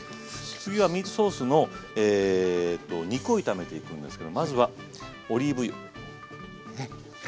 次はミートソースの肉を炒めていくんですけどまずはオリーブ油。